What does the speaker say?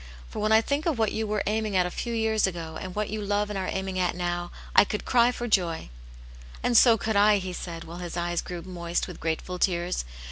For whea I think of what . you were aiming at a few years ago, and what you love and are aiming at now, I could cry for joy." "And so could I!" he said, while his eyes grew moist with grateful tears.